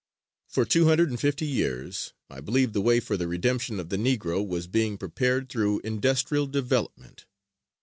For two hundred and fifty years, I believe the way for the redemption of the Negro was being prepared through industrial development.